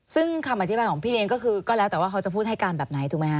ซึ่งคำอธิบายของพี่เลี้ยงก็คือก็แล้วแต่ว่าเขาจะพูดให้การแบบไหนถูกไหมฮ